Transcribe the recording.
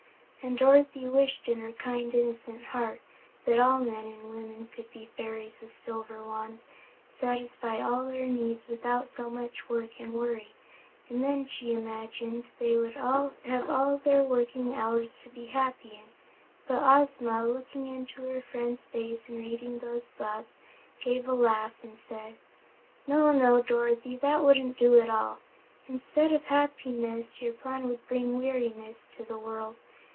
And Dorothy wished in her kindly, innocent heart, that all men and women could be fairies with silver wands, and satisfy all their needs without so much work and worry, for then, she imagined, they would have all their working hours to be happy in. But Ozma, looking into her friend's face and reading those thoughts, gave a laugh and said: "No, no, Dorothy, that wouldn't do at all. Instead of happiness your plan would bring weariness to the world.